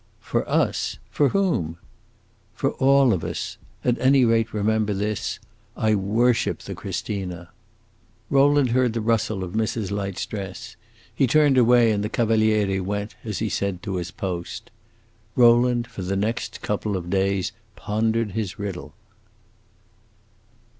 "For 'us'? For whom?" "For all of us. At any rate remember this: I worship the Christina!" Rowland heard the rustle of Mrs. Light's dress; he turned away, and the Cavaliere went, as he said, to his post. Rowland for the next couple of days pondered his riddle.